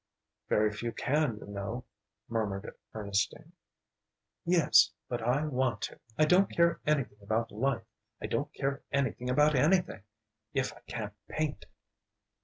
"Very few can, you know," murmured Ernestine. "Yes but I want to! I don't care anything about life I don't care anything about anything if I can't paint!"